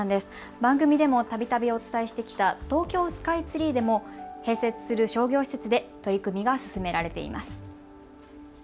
番組でもたびたびお伝えしてきた東京スカイツリーでも併設する商業施設で取り組みが進められています。